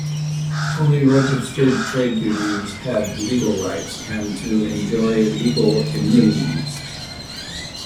Only registered trade unions had legal rights and to enjoy legal immunities.